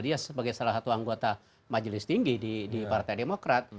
dia sebagai salah satu anggota majelis tinggi di partai demokrat